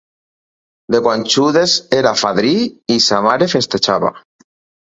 De quan Judes era fadrí i sa mare festejava.